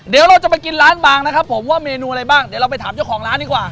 เดี๋ยวเราจะไปกินร้านบางนะครับผมว่าเมนูอะไรบ้างเดี๋ยวเราไปถามเจ้าของร้านดีกว่า